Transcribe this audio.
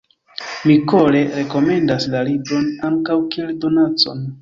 Mi kore rekomendas la libron, ankaŭ kiel donacon!